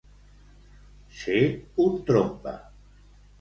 Ser un trompa.